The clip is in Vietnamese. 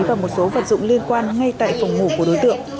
và một số vật dụng liên quan ngay tại phòng ngủ của đối tượng